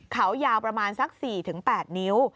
เขายาวประมาณสัก๔๘นิ้ว